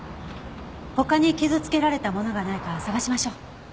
他に傷つけられたものがないか捜しましょう。